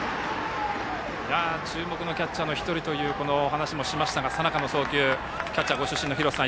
注目のキャッチャーの１人という話もしましたが佐仲の送球キャッチャー出身の廣瀬さん